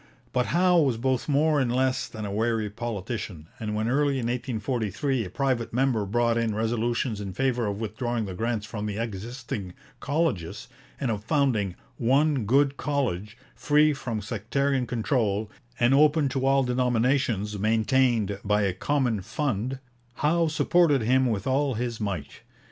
But Howe was both more and less than a wary politician, and when early in 1843 a private member brought in resolutions in favour of withdrawing the grants from the existing colleges, and of founding 'one good college, free from sectarian control, and open to all denominations, maintained by a common fund,' Howe supported him with all his might.